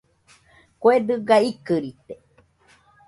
Kue dɨga ikɨrite